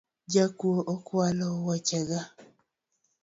Jakuo okwalo woche ga.